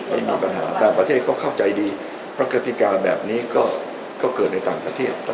มีปัญหาต่างประเทศก็เข้าใจดีเพราะกติกาแบบนี้ก็เกิดในต่างประเทศ